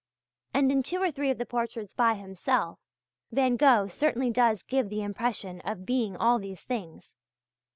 And in two or three of the portraits by himself, Van Gogh certainly does give the impression of being all these things.